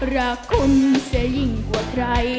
รักคุณเสียยิ่งกว่าใคร